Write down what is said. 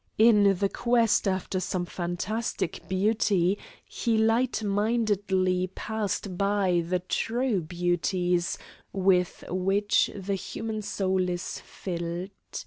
In the quest after some fantastic beauty he light mindedly passed by the true beauties with which the human soul is filled.